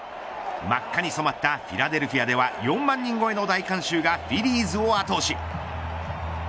真っ赤に染まったフィラデルフィアでは４万人超えの大観衆がフィリーズを後押し。